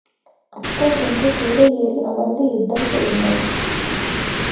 அச்சம் இன்றிக் குதிரை ஏறி அமர்ந்து யுத்தம் செய்தனள்.